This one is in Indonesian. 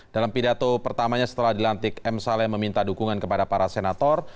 dalam pidato pertamanya setelah dilantik m saleh meminta dukungan kepada para senator